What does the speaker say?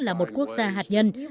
là một quốc gia hạt nhân